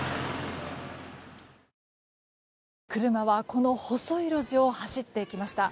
車はこの細い路地を走っていきました。